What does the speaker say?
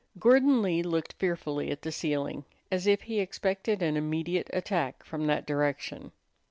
Gordon Lee looked fearfully at the ceiling, as if he expected an immediate attack from that direction.